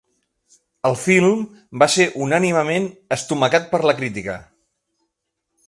El film va ser unànimement estomacat per la crítica.